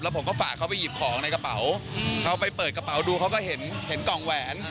ผมก็ฝากเขาไปหยิบของในกระเป๋าเขาไปเปิดกระเป๋าดูเขาก็เห็นเห็นกล่องแหวน